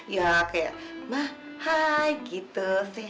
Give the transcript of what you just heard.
ya kayak mah hai gitu sih